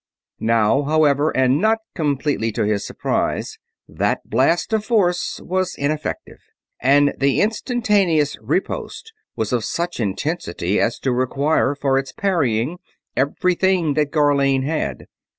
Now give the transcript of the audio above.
Now, however, and not completely to his surprise, that blast of force was ineffective; and the instantaneous riposte was of such intensity as to require for its parrying everything that Gharlane had.